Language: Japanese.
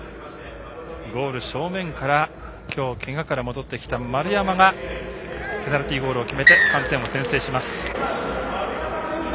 ゴール正面から今日、けがから戻ってきた丸山がペナルティーゴールを決めて３点を先制します。